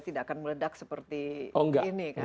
tidak akan meledak seperti ini kan